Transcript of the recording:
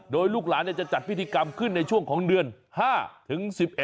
โดยลูกหลานจะจัดพิธีกรรมขึ้นในช่วงของเดือน๕ถึง๑๑